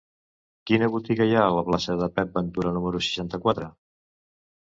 Quina botiga hi ha a la plaça de Pep Ventura número seixanta-quatre?